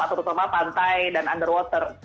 terutama pantai dan underwater